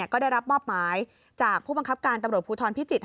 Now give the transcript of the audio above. ก็ได้รับมอบหมายจากผู้บังคับการตำรวจภูทรพิจิตร